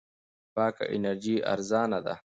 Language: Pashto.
پاکه انرژي ارزان ده.